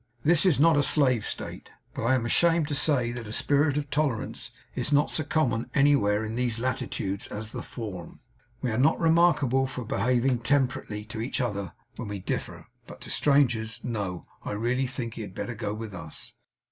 This is not a slave State; but I am ashamed to say that a spirit of Tolerance is not so common anywhere in these latitudes as the form. We are not remarkable for behaving very temperately to each other when we differ; but to strangers! no, I really think he had better go with us.